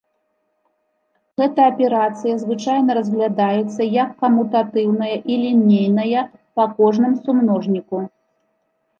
Гэта аперацыя звычайна разглядаецца як камутатыўная і лінейная па кожным сумножніку.